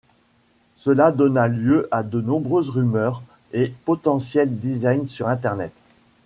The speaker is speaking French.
Cela donna lieu à de nombreuses rumeurs et potentiels design sur Internet.